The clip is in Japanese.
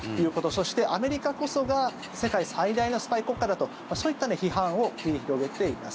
そして、アメリカこそが世界最大のスパイ国家だとそういった批判を繰り広げています。